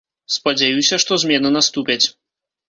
Спадзяюся, што змены наступяць.